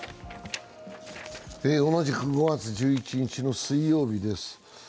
同じく５月１１日の水曜日です